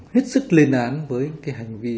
hết sức lên án với cái hành vi